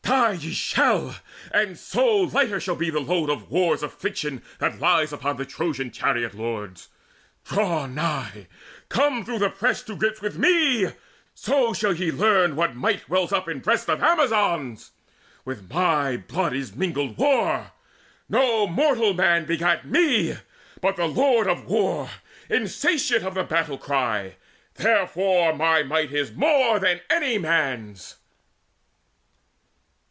Die ye shall, and so Lighter shall be the load of war's affliction That lies upon the Trojan chariot lords. Draw nigh, come through the press to grips with me, So shall ye learn what might wells up in breasts Of Amazons. With my blood is mingled war! No mortal man begat me, but the Lord Of War, insatiate of the battle cry. Therefore my might is more than any man's."